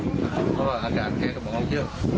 แล้วก็อากาศเขาก็ไม่ออกเยอะ